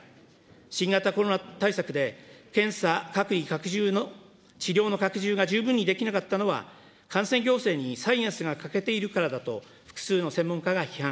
新型コロナ対策で、検査、隔離、治療の拡充が十分にできなかったのは、行政にサイエンスが欠けているからだと、複数の専門家が批判。